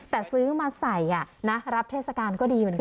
แต่ซื้อมาใส่รับเทศกาลก็ดีเหมือนกัน